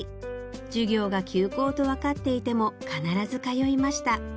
授業が休講とわかっていても必ず通いました！」